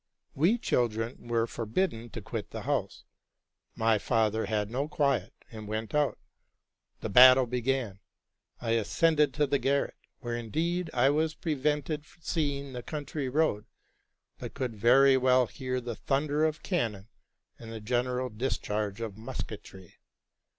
We children were forbidden to quit the house: my father had no quiet, and went out. The battle began: I ascended to the garret, where indeed I was prevented seeing the country round, but could very well hear the thunder of cannon and the general discharge of musketry.